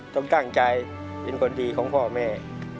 ต้องตั้งใจเป็นคนดีของพ่อแม่